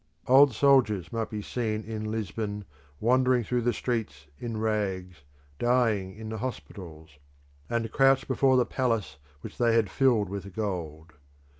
Old soldiers might be seen in Lisbon wandering through the streets in rags, dying in the hospitals, and crouched before the palace which they had filled with gold.